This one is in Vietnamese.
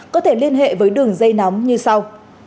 có thể liên hệ với đường dây nóng như sau